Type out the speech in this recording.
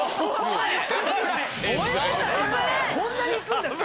こんなに行くんですか。